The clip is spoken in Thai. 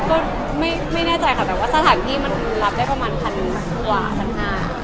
ก็ไม่แน่ใจค่ะแต่ว่าสถานที่มันรับได้ประมาณพันกว่าพันห้า